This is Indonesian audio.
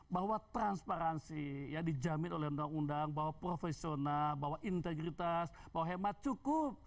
bahwa transparansi ya dijamin oleh undang undang bahwa profesional bahwa integritas bahwa hemat cukup